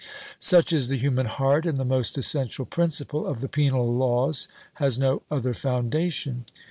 Such is the human heart, and the most essential principle of the penal laws has no other foundation.